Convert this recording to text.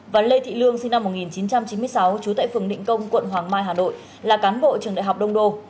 và lê thị lương sinh năm một nghìn chín trăm chín mươi sáu trú tại phường định công quận hoàng mai hà nội là cán bộ trường đại học đông đô